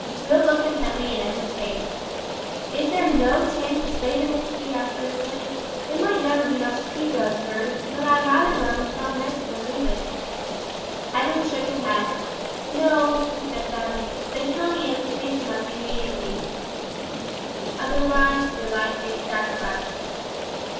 Will looked intently in Edwin's face. "Is there no chance of savin' it?" he asked earnestly; "it might never be much to speak of, sir, but I'd rather run some risk than lose it." Edwin shook his head. "No," he said sadly, "they tell me amputation must be immediate, else your life may be sacrificed.